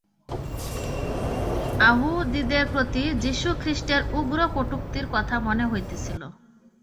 য়াহুদীদের প্রতি যীশুখ্রীষ্টের উগ্র কটূক্তির কথা মনে হইতেছিল।